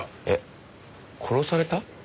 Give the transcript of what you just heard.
えっ殺された？